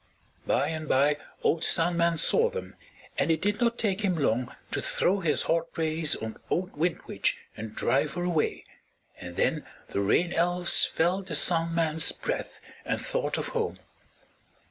By and by old Sun Man saw them, and it did not take him long to throw his hot rays on old Wind Witch and drive her away, and then the Rain Elves felt the Sun Man's breath and thought of home.